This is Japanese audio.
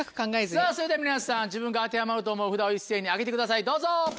さぁそれでは皆さん自分が当てはまると思う札を一斉にあげてくださいどうぞ。